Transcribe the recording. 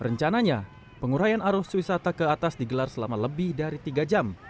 rencananya penguraian arus wisata ke atas digelar selama lebih dari tiga jam